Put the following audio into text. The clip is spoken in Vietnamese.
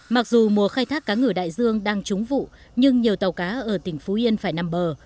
mặc dù mùa khai thác cá ngửa đại dương đang trúng vụ nhưng nhiều tàu cá ở tỉnh phú yên phải nằm bờ